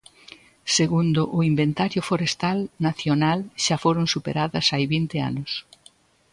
Segundo o Inventario forestal nacional, xa foron superadas hai vinte anos.